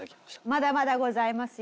まだまだございますよ。